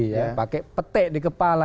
yang pakai petek di kepala